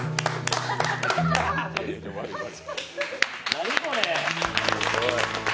何これ？